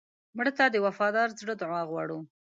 مړه ته د وفادار زړه دعا غواړو